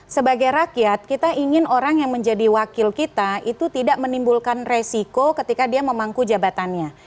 sebagai rakyat kita ingin orang yang menjadi wakil kita itu tidak menimbulkan resiko ketika dia memangku jabatannya